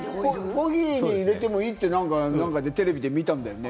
コーヒーに入れていいって、テレビで見たんだよね。